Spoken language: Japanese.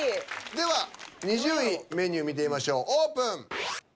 では２０位メニュー見てみましょうオープン。